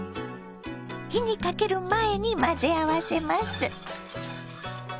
火にかける前に混ぜ合わせます。